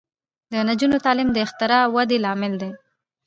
د نجونو تعلیم د اختراع ودې لامل دی.